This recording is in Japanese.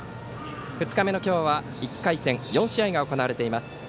２日目の今日は１回戦４試合が行われています。